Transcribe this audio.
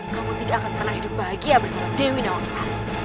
kamu tidak akan pernah hidup bahagia bersama dewi nawangsa